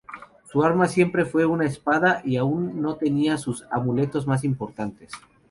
Su arma siempre fue una espada y aún no tenía sus amuletos más importantes.